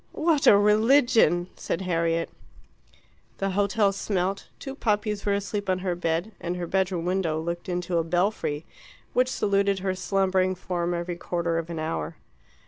"What a religion!" said Harriet. The hotel smelt, two puppies were asleep on her bed, and her bedroom window looked into a belfry, which saluted her slumbering form every quarter of an hour.